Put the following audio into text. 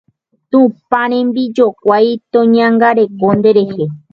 Tupãrembijokuái toñangareko nderehe